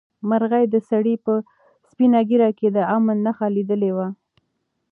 مرغۍ د سړي په سپینه ږیره کې د امن نښه لیدلې وه.